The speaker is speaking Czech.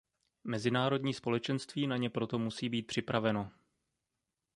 Mezinárodní společenství na ně proto musí být připraveno.